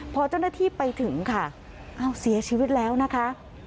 พอเจ้าหน้าที่ไปถึงค่ะอ้าวเสียชีวิตแล้วนะคะ